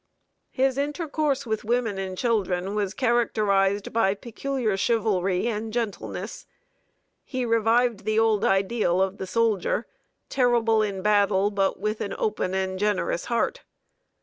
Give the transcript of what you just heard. His intercourse with women and children was characterized by peculiar chivalry and gentleness. He revived the old ideal of the soldier terrible in battle, but with an open and generous heart.